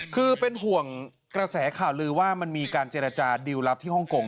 คือเป็นห่วงกระแสข่าวลือว่ามันมีการเจรจาดิวลลับที่ฮ่องกง